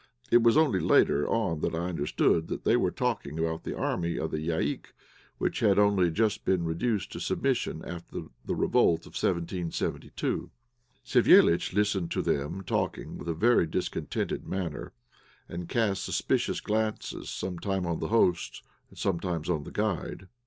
It was only later on that I understood that they were talking about the army of the Yaïk, which had only just been reduced to submission after the revolt of 1772. Savéliitch listened to them talking with a very discontented manner, and cast suspicious glances, sometimes on the host and sometimes on the guide.